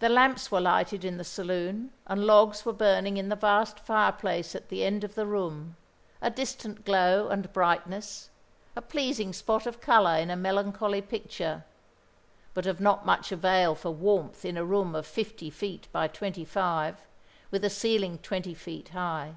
The lamps were lighted in the saloon, and logs were burning in the vast fireplace at the end of the room, a distant glow and brightness, a pleasing spot of colour in a melancholy picture, but of not much avail for warmth in a room of fifty feet by twenty five, with a ceiling twenty feet high.